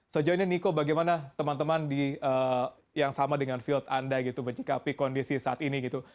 sejauh ini niko bagaimana teman teman yang sama dengan field anda gitu menyikapi kondisi saat ini gitu